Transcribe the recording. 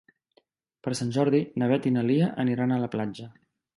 Per Sant Jordi na Beth i na Lia aniran a la platja.